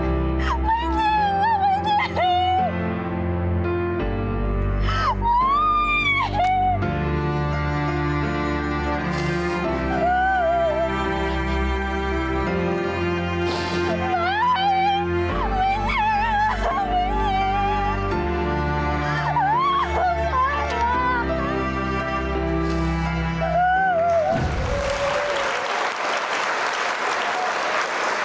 ไม่จริงไม่จริง